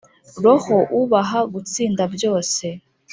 roho ubaha gutsinda byose